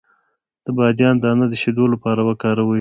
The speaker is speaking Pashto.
د بادیان دانه د شیدو لپاره وکاروئ